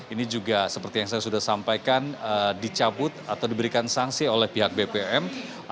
ini juga seperti yang saya sudah sampaikan dicabut atau diberikan sanksi oleh pihak bpom